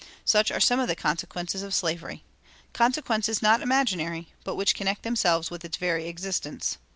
Such are some of the consequences of slavery consequences not imaginary, but which connect themselves with its very existence.